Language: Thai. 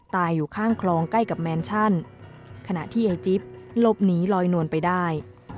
อยู่ข้างคลองใกล้กับแมนชั่นขณะที่ยายจิ๊บหลบหนีลอยนวลไปได้